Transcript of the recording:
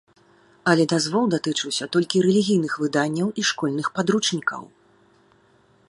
Але дазвол датычыўся толькі рэлігійных выданняў і школьных падручнікаў.